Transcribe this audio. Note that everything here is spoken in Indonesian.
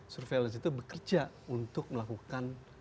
surveillance itu bekerja untuk melakukan